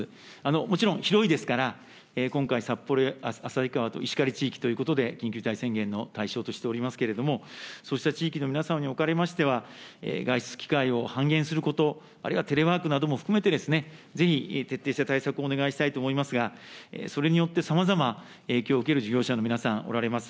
もちろん広いですから、今回、札幌や旭川と石狩地域ということで、緊急事態宣言の対象としておりますけれども、そうした地域の皆様におかれましては、外出機会を半減すること、あるいはテレワークなども含めて、ぜひ、徹底した対策をお願いしたいと思いますが、それによってさまざま影響を受ける事業者の皆さんおられます。